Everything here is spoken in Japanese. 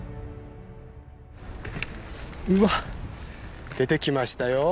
うわっ出てきましたよ。